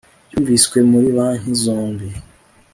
Yumviswe muri banki zombi